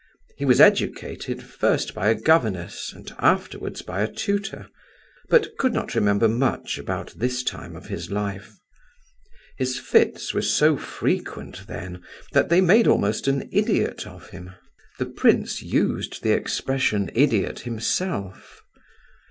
He was educated, first by a governess, and afterwards by a tutor, but could not remember much about this time of his life. His fits were so frequent then, that they made almost an idiot of him (the prince used the expression "idiot" himself).